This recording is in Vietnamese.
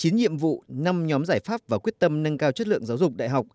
chín nhiệm vụ năm nhóm giải pháp và quyết tâm nâng cao chất lượng giáo dục đại học